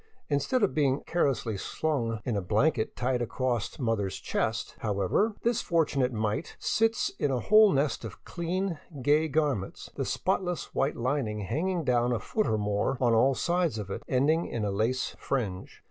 In stead of being carelessly slung in a blanket tied across mother's chest, however, this fortunate mite sits in a whole nest of clean, gay gar ments, the spotless white lining hanging down a foot or more on all sides of it, ending in a lace fringe.